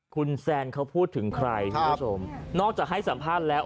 คุณแซนเขาพูดถึงใครคุณผู้ชมนอกจากให้สัมภาษณ์แล้ว